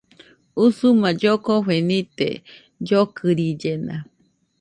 Usuma llokofe nite, llokɨrillena